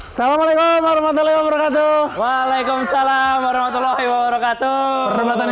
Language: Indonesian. assalamualaikum warahmatullahi wabarakatuh waalaikumsalam warahmatullahi wabarakatuh